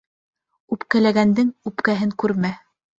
Үпкәләгәндең үпкәһен күрмә.